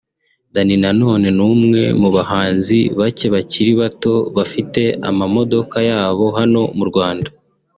Danny Nanone ni umwe mu bahanzi bacye bakiri bato bafite amamodoka yabo hano mu Rwanda